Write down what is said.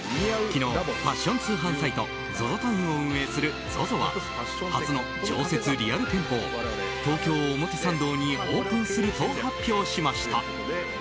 昨日、ファッション通販サイトＺＯＺＯＴＯＷＮを運営するＺＯＺＯは初の常設リアル店舗を東京・表参道にオープンすると発表しました。